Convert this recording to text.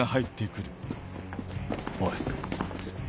おい。